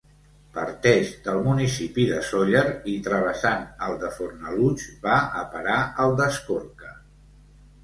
Parteix del municipi de Sóller i travessant el de Fornalutx, va a parar al d'Escorca.